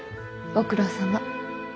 ご苦労さま。